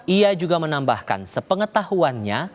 ia juga menambahkan sepengetahuannya